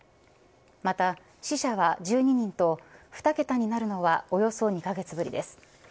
また死者は１２人と２桁になるのはおよそ２カ月ぶりです。